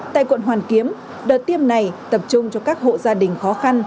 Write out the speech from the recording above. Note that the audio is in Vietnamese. tại quận hoàn kiếm đợt tiêm này tập trung cho các hộ gia đình khó khăn